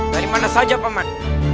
dari mana saja pamat